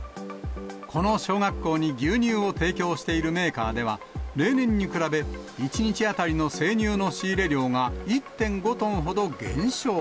この小学校に牛乳を提供しているメーカーでは、例年に比べ、１日当たりの生乳の仕入れ量が１．５トンほど減少。